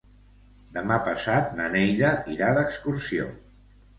Demà passat na Neida irà d'excursió.